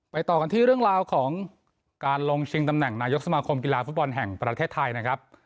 ต่อกันที่เรื่องราวของการลงชิงตำแหน่งนายกสมาคมกีฬาฟุตบอลแห่งประเทศไทยนะครับ